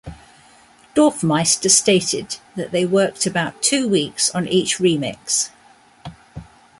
Dorfmeister stated that they worked about two weeks on each remix.